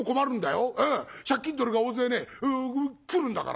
借金取りが大勢ね来るんだから。